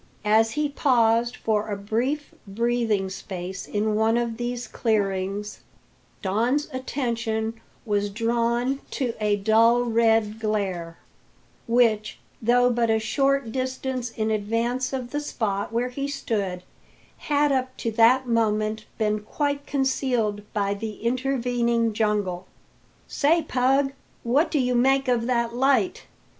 As he paused for a brief breathing space in one of these clearings, Don's attention was drawn to a dull red glare, which, though but a short distance in advance of the spot where he stood, had up to that moment been quite concealed by the intervening jungle. "Say, Pug, what do you make of that light?"